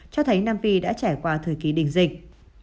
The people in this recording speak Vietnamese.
cho thấy nam phi đã trải qua thời kỳ đình dịch